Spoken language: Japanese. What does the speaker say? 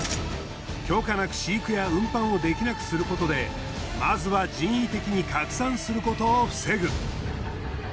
許可なく飼育や運搬をできなくすることでまずは人為的に拡散することを防ぐ。